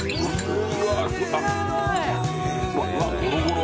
うわゴロゴロ。